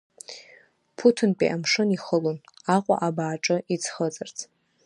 Ԥуҭынтәи амшын ихылон, Аҟәа абааҿы иӡхыҵырц.